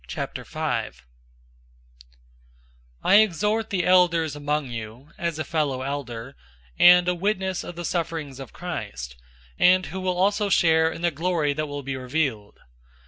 005:001 I exhort the elders among you, as a fellow elder, and a witness of the sufferings of Christ, and who will also share in the glory that will be revealed.